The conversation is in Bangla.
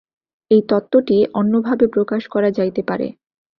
এই তত্ত্বটি অন্যভাবে প্রকাশ করা যাইতে পারে।